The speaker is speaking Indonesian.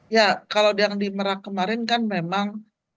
ya kalau yang di merak kemarin kan memang